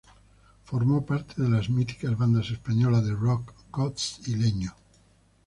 Formó parte de las míticas bandas españolas de rock Coz y Leño.